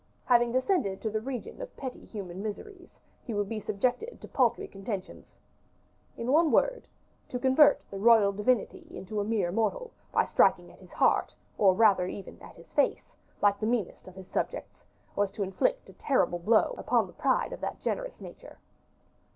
Having descended to the region of petty human miseries, he would be subjected to paltry contentions. In one word, to convert the royal divinity into a mere mortal by striking at his heart, or rather even at his face, like the meanest of his subjects, was to inflict a terrible blow upon the pride of that generous nature.